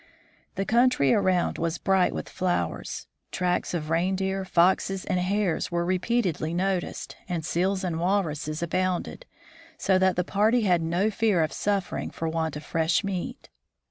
The country around was bright with flowers. Tracks of reindeer, foxes, and hares were repeatedly noticed, and seals and walruses abounded, so that the party had no fear of suffering for want of fresh meat.